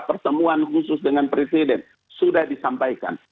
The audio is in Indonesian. pertemuan khusus dengan presiden sudah disampaikan